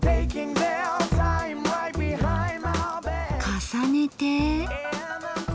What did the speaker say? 重ねて。